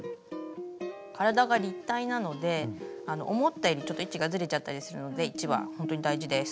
体が立体なので思ったよりちょっと位置がずれちゃったりするので位置はほんとに大事です。